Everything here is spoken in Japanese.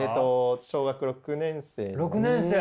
小学６年生。